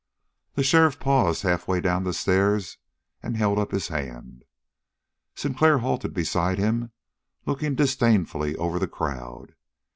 The sheriff paused halfway down the stairs and held up his hand. Sinclair halted beside him looking disdainfully over the crowd.